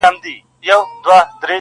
ښــه دى چـي پــــــه زوره سـجــده نه ده.